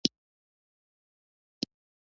پسه نرمې وړۍ لري.